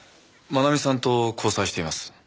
真奈美さんと交際しています。